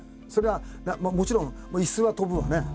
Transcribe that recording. それはもちろん椅子は飛ぶわね。